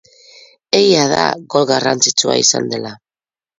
Egia da gol garrantzitsua izan dela.